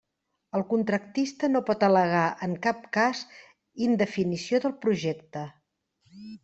El contractista no pot al·legar en cap cas indefinició del projecte.